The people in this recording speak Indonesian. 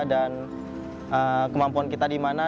dan kemampuan kita dimana